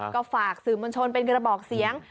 ก็ฝากสื่อมวลชนเป็นกระบอกเสียง